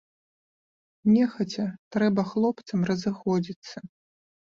Нехаця трэба хлопцам разыходзіцца.